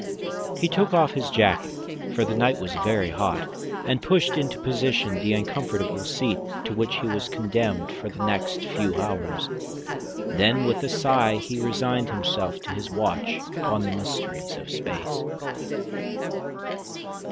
He took off his jacket, for the night was very hot, and pushed into position the uncomfortable seat to which he was condemned for the next four hours. Then with a sigh he resigned himself to his watch upon the mysteries of space.